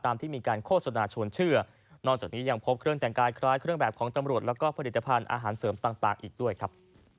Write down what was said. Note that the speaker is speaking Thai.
ที่มีการโฆษณาชวนเชื่อนอกจากนี้ยังพบเครื่องแต่งกายคล้ายเครื่องแบบของตำรวจแล้วก็ผลิตภัณฑ์อาหารเสริมต่างอีกด้วยครับ